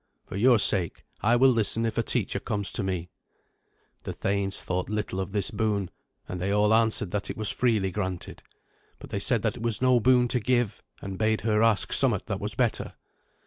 For your sake I will listen if a teacher comes to me." The thanes thought little of this boon, and they all answered that it was freely granted. But they said that it was no boon to give, and bade her ask somewhat that was better.